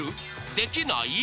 できない？